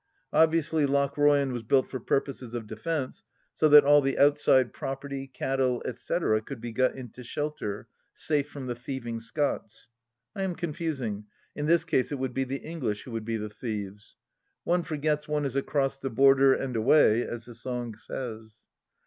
Obviously Lochroyan was built for purposes of defence, so that all the outside property, cattle, etc., could be got into shelter, safe from the thieving Scots. I am confusing ; in this case it would be the English who would be the thieves. One forgets one is " Across the Border and away," as the song says.